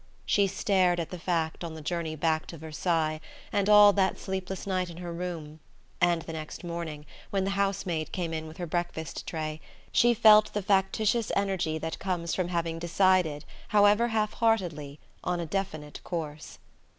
She stared at the fact on the journey back to Versailles, and all that sleepless night in her room; and the next morning, when the housemaid came in with her breakfast tray, she felt the factitious energy that comes from having decided, however half heartedly, on a definite course.